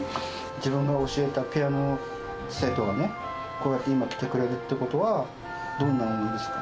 自分が教えたピアノの生徒がね、こうやって今来てくれるってことは、どんな思いですか。